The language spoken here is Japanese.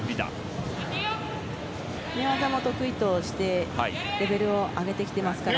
寝技も得意としてレベルを上げてきていますから。